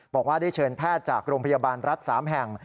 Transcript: บอกว่าได้เชิญแพทย์จากโรงพยาบาลรัฐ๓แห่ง